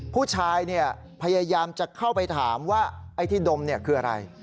ผู้ชายพยายามจะเข้าไปถามว่าไอ้ที่ดมคืออะไร